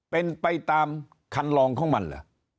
เป็นไปตามคันลองของมันเหรอ